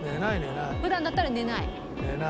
普段だったら寝ない？」